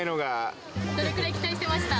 どれくらい期待してました？